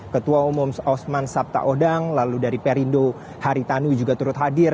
ketua umum osman sabta odang lalu dari perindo haritanu juga turut hadir